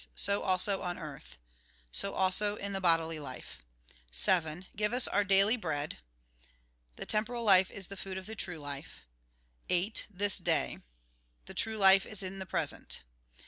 So also on earth. So also in tiie bodily life. 7. Give us our daily bread The temporal life is the food of the true life. 8. This day. The true life is in the present.